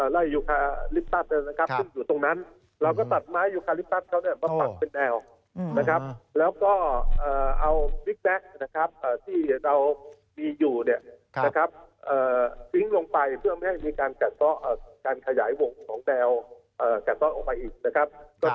เราพยายามกรุกภูมิปริมาณน้ำนะครับ